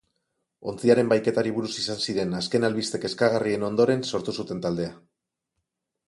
Ontziaren bahiketari buruz izan ziren azken albiste kezkagarrien ondoren sortu zuten taldea.